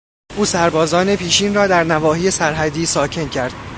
او سربازان پیشین را در نواحی سر حدی ساکن کرد.